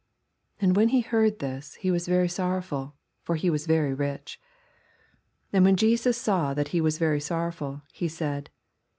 23 And when he heard this, he was very sorrowful : for he was very rich. 24 And when Jesus saw that he was very sorrowful, he said.